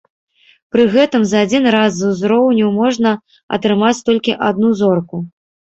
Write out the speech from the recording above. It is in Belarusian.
Пры гэтым за адзін раз з узроўню можна атрымаць толькі адну зорку.